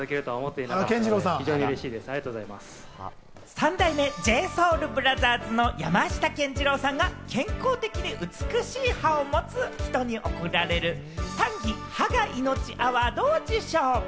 三代目ＪＳＯＵＬＢＲＯＴＨＥＲＳの山下健二郎さんが健康的で美しい歯を持つ人に贈られる「サンギ歯が命アワード」を受賞。